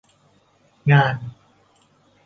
งาน